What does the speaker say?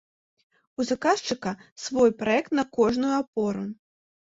У заказчыка свой праект на кожную апору.